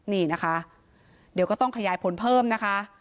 นี่นะคะเดี๋ยวก็ต้องขยายผลเพิ่มนะคะ